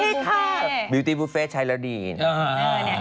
โอเคค่ะบิวตี้บูฟเฟ่ใช้แล้วดีโอเคค่ะ